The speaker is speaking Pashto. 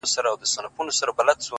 نه؛ مزل سخت نه و؛ آسانه و له هري چاري؛